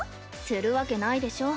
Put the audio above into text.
するわけないでしょ。